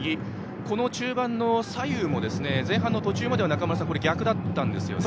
この中盤の左右も前半の途中までは、中村さん逆だったんですよね。